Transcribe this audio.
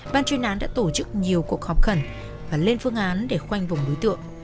ban chuyên án đã tổ chức nhiều cuộc họp khẩn và lên phương án để khoanh vùng đối tượng